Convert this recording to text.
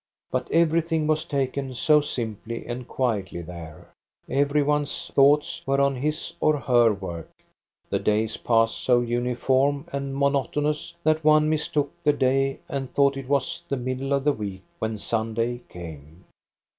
But everything was taken so simply and quietly there. Every one's thoughts were on his or her work; the days passed so uniform and monotonous that one mistook the day and thought it was the middle of the week when Sunday came.